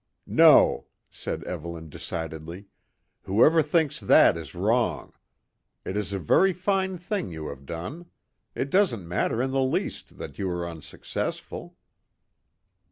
"No," said Evelyn decidedly; "whoever thinks that is wrong. It is a very fine thing you have done. It doesn't matter in the least that you were unsuccessful."